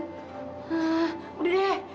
hah udah deh